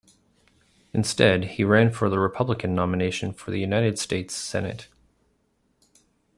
Instead, he ran for the Republican nomination for the United States Senate.